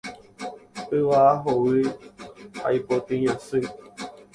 Yvága hovy ha ipotĩ asy.